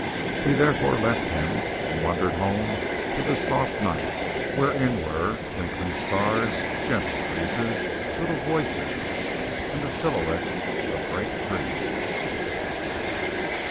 We therefore left him, and wandered home through the soft night, wherein were twinkling stars, gentle breezes, little voices, and the silhouettes of great trees.